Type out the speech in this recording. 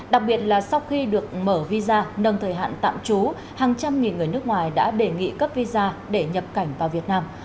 đặc biệt là sau khi được mở visa nâng thời hạn tạm trú hàng trăm nghìn người nước ngoài đã đề nghị cấp visa để nhập cảnh vào việt nam